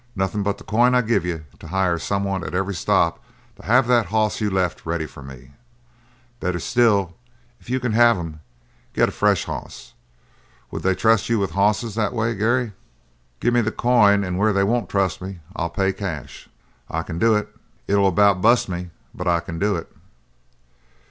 Nothing but the coin I give you to hire someone at every stop to have that hoss you've left ready for me. Better still, if you can have 'em, get a fresh hoss. Would they trust you with hosses that way, Gary?" "Gimme the coin and where they won't trust me I'll pay cash." "I can do it. It'll about bust me, but I can do it."